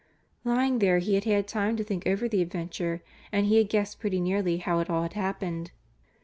Lying there he had had time to think over the adventure and he had guessed pretty nearly how it all had happened.